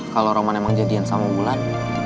kalau roman emang jadian sama mugulan